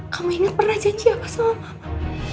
kamu inget pernah janji apa sama mama